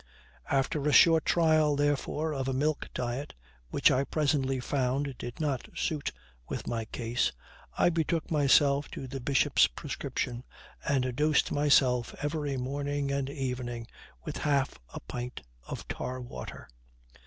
After a short trial, therefore, of a milk diet, which I presently found did not suit with my case, I betook myself to the bishop's prescription, and dosed myself every morning and evening with half a pint of tar water.